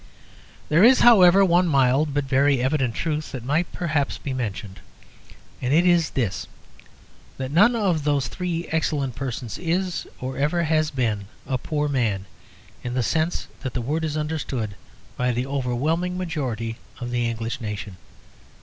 There is, however, one mild but very evident truth that might perhaps be mentioned. And it is this: that none of those three excellent persons is, or ever has been, a poor man in the sense that that word is understood by the overwhelming majority of the English nation.